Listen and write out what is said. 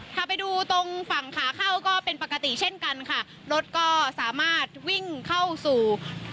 ถ้าไปดูตรงฝั่งขาเข้าก็เป็นปกติเช่นกันค่ะรถก็สามารถวิ่งเข้าสู่